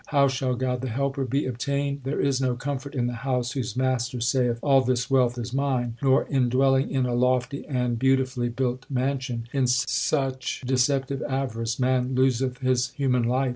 How shall God the helper be obtained ? There is no comfort in the house whose master saith All this wealth is mine ; Nor in dwelling in a lofty and beautifully built mansion. In such deceptive avarice man loseth his human life.